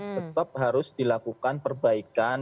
tetap harus dilakukan perbaikan